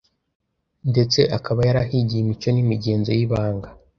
ndetse akaba yarahigiye imico n’imigenzo y’ibanga